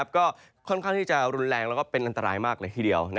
ก็ค่อนข้างที่จะรุนแรงแล้วก็เป็นอันตรายมากเลยทีเดียว